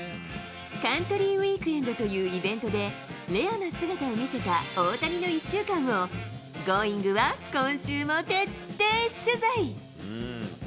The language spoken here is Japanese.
カントリーウイークエンドというイベントで、レアな姿を見せた大谷の１週間を、Ｇｏｉｎｇ！は今週も徹底取材。